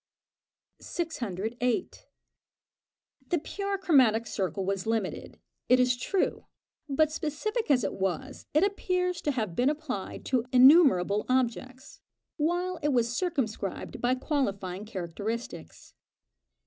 608. The pure chromatic circle was limited, it is true; but, specific as it was, it appears to have been applied to innumerable objects, while it was circumscribed by qualifying characteristics.